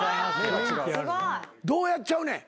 どうやっちゃうねん。